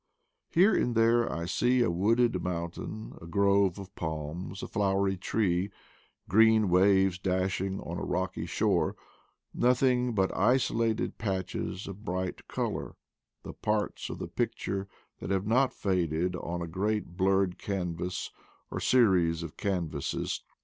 Here and there I see a wooded mountain, a grove of palms, a flowery tree, green waves dashing on a rocky shore — nothing but isolated patches of bright color, the parts of the picture that have not faded on a great blurred canvas, or series of canvases.